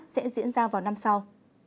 sẽ diễn ra vào năm sau